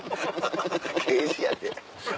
刑事やで。